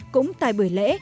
cũng tại buổi lễ